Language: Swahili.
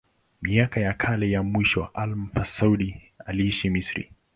Miaka yake ya mwisho al-Masudi aliishi Misri.